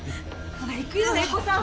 ほら行くよ映子さん。